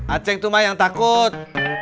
aceh itu mah yang takut